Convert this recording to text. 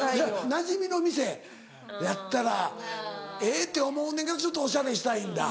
なじみの店やったらええって思うねんけどちょっとおしゃれしたいんだ。